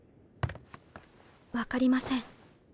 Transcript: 分かりません。